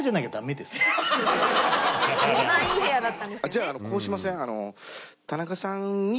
じゃあこうしません？